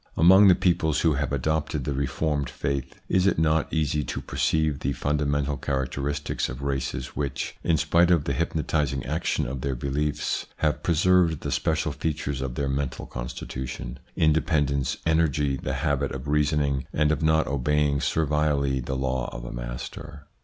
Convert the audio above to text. Among the peoples who have adopted the reformed faith is it not easy to perceive the fundamental characteristics of races which, in spite of the hypnotising action of their beliefs, have preserved the special features of their mental constitution : in dependence, energy, the habit of reasoning, and of not obeying servilely the law of a master